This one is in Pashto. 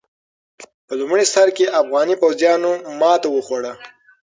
په لومړي سر کې افغاني پوځيانو ماته وخوړه.